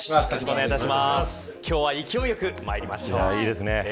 今日は勢いよくまいりましょう。